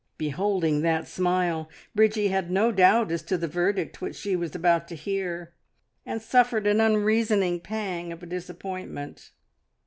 Beholding that smile, Bridgie had no doubt as to the verdict which she was about to hear, and suffered an unreasoning pang of disappointment.